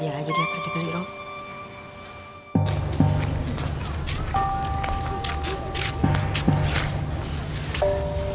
biar aja dia pergi beli robi